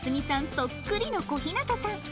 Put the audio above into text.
そっくりの小日向さん